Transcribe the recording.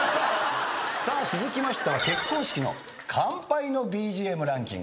さあ続きましては結婚式の乾杯のＢＧＭランキング。